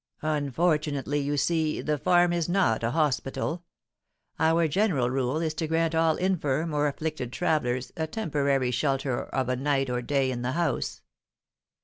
"Unfortunately, you see, the farm is not a hospital. Our general rule is to grant all infirm or afflicted travellers a temporary shelter of a night or a day in the house.